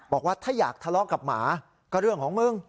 บอกว่าถ้าอยากทะเลาะกับหมาก็เรื่องของมึง